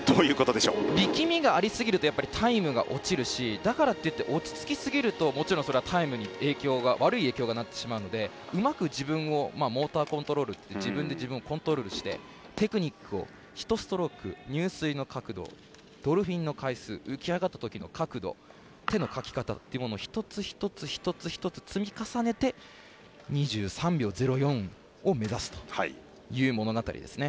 力みがありすぎるとタイムが落ちるしだからといって落ち着きすぎると悪い影響になってしまうのでうまく自分をモーターコントロール自分で自分をコントロールして、テクニックをひとストローク入水の角度、ドルフィン浮き上がったときの角度手のかき方、一つ一つ積み重ねて２３秒０４を目指すという物語ですね。